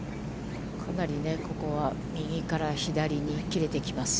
かなりここは右から左に切れていきます。